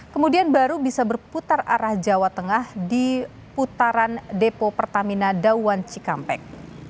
kemudian baru bisa berputar arah jawa tengah di putaran depo pertamina dawan cikampek